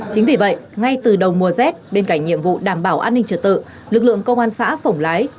chính vì vậy ngay từ đầu mùa rét bên cạnh nhiệm vụ đảm bảo an ninh trở tự lực lượng công an xã phổng lái